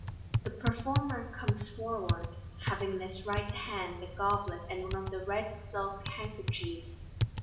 The performer comes forward, having in his right hand the goblet and one of the red silk handkerchiefs.